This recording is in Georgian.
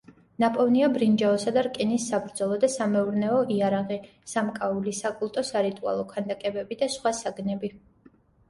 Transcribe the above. ნაპოვნია ბრინჯაოსა და რკინის საბრძოლო და სამეურნეო იარაღი, სამკაული, საკულტო-სარიტუალო ქანდაკებები და სხვა საგნები.